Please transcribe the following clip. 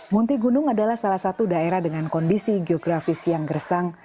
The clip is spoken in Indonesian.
munti gunung adalah salah satu daerah dengan kondisi geografis yang gersang